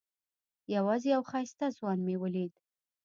یوازې یو ښایسته ځوان مې ولید.